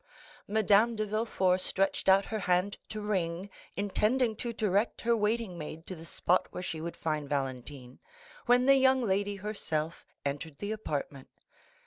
Madame de Villefort stretched out her hand to ring, intending to direct her waiting maid to the spot where she would find Valentine, when the young lady herself entered the apartment.